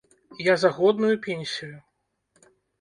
Я за годную пенсію.